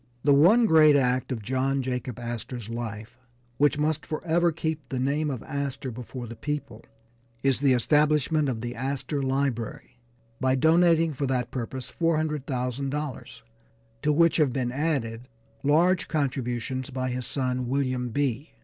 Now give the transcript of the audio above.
The one great act of John Jacob Astor's life, which must forever keep the name of Astor before the people, is the establishment of the Astor Library by donating for that purpose $400,000, to which have been added large contributions by his son William B.